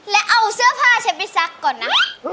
และเอาเสื้อผ้าฉันไปซักก่อนนะ